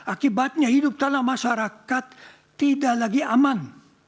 akibatnya hidup dalam masyarakat tidak lagi aman